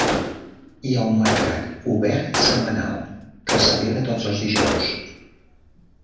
Hi ha un mercat obert setmanal que se celebra tots els dijous.